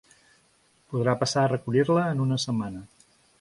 Podrà passar a recollir-la en una setmana.